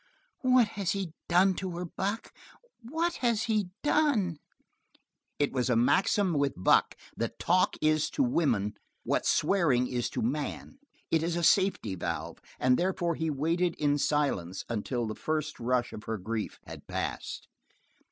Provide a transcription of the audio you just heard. "What has he done to her, Buck? What has he done?" It was a maxim with Buck that talk is to woman what swearing is to man; it is a safety valve, and therefore he waited in silence until the first rush of her grief had passed.